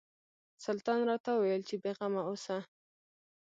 سلطان راته وویل چې بېغمه اوسه.